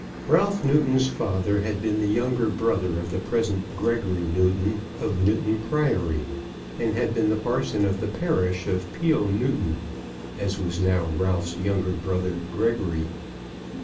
Ralph Newton's father had been the younger brother of the present Gregory Newton, of Newton Priory, and had been the parson of the parish of Peele Newton, as was now Ralph's younger brother, Gregory.